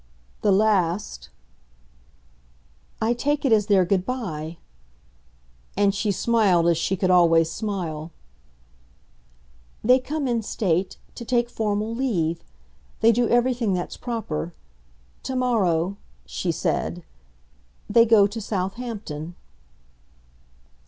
"The last?" "I take it as their good bye." And she smiled as she could always smile. "They come in state to take formal leave. They do everything that's proper. Tomorrow," she said, "they go to Southampton."